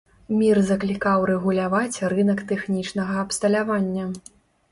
Мір заклікаў рэгуляваць рынак тэхнічнага абсталявання.